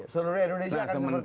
seluruh indonesia kan seperti itu